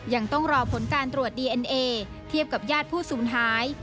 ยังต้องรอผลการตรวจดีเอ็นเอเทียบกับญาติผู้สูญหาย